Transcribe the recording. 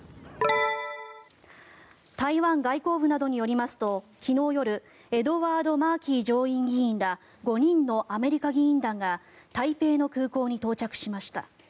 台湾外交部などによりますと昨日夜エドワード・マーキー上院議員ら５人のアメリカ議員団が台北の空港に到着しました。